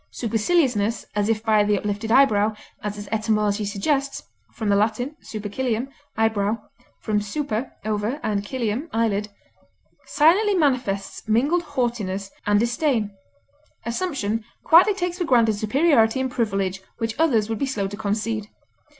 Superciliousness, as if by the uplifted eyebrow, as its etymology suggests (L. supercilium, eyebrow, from super, over and cilium, eyelid), silently manifests mingled haughtiness and disdain. Assumption quietly takes for granted superiority and privilege which others would be slow to concede.